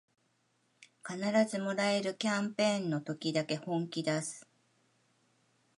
必ずもらえるキャンペーンの時だけ本気だす